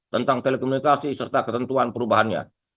tentang telekomunikasi serta ketentuan perubahannya